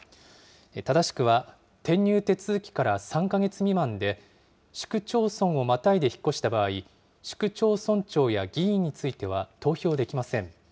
正しくは、転入手続きから３か月未満で、市区町村をまたいで引っ越した場合、市区町村長や議員については投票できません。